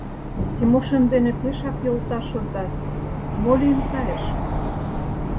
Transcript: Тимошем дене пешак йолташ ыльдас, мо лийын кайыш?